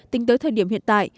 tính tới thời điểm hiện tại